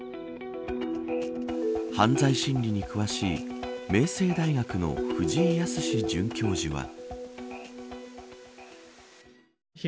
犯罪心理に詳しい明星大学の藤井靖准教授は。